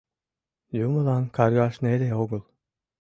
Юмылан каргаш неле огыл.